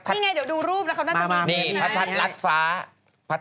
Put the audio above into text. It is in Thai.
นี่ไงเดี๋ยวดูรูปแล้วเขาน่าจะมี